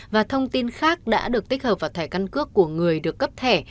và thông tin khác đã được tích hợp vào thẻ căn cước của người được cấp thẻ